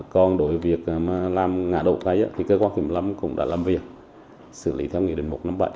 còn đối với việc làm ngã đổ thay thì cơ quan kỳ một mươi năm cũng đã làm việc xử lý theo nghị định một trăm năm mươi bảy